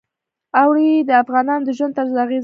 اوړي د افغانانو د ژوند طرز اغېزمنوي.